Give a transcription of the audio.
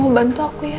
kamu bantu aku ya